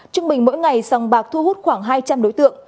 trung bình mỗi ngày sòng bạc thu hút khoảng hai trăm linh đối tượng